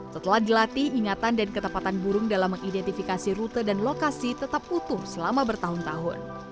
setelah dilatih ingatan dan ketepatan burung dalam mengidentifikasi rute dan lokasi tetap utuh selama bertahun tahun